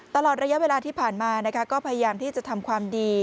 ตลอดระยะเวลาที่ผ่านมาก็พยายามที่จะทำความดี